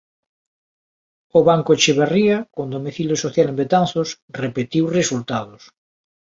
O Banco Etcheverría, con domicilio social en Betanzos, repetiu resultados.